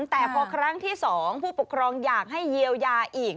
แต่พอครั้งที่๒ผู้ปกครองอยากให้เยียวยาอีก